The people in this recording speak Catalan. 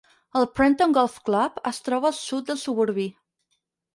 El Prenton Golf Club es troba al sud del suburbi.